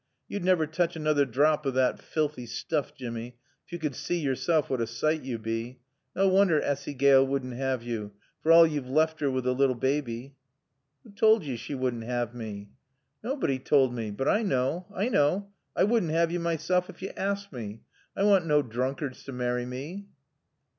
Yo'd navver tooch anoother drap o' thot felthy stoof, Jimmy, ef yo could sea yoreself what a sight yo bae. Naw woonder Assy Gaale wouldn't 'ave yo, for all yo've laft her wi' t' lil baaby." "Who toald yo she wouldn't 'ave mae?" "Naybody toald mae. But I knaw. I knaw. I wouldn't 'ave yo myself ef yo aassked mae. I want naw droonkards to marry mae."